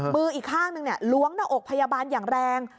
มืออีกข้างหนึ่งล้วงหน้าอกพยาบาลอย่างแรง